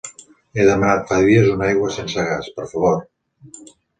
He demanat fa dies una aigua sense gas, per favor.